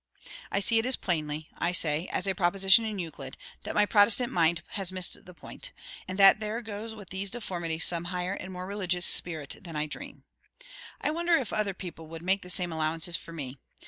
I see it as plainly, I say, as a proposition in Euclid, that my Protestant mind has missed the point, and that there goes with these deformities some higher and more religious spirit than I dream. I wonder if other people would make the same allowances for me!